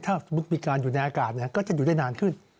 ถ้ามีการอยู่ในอากาศก็จะอยู่ได้นานขึ้น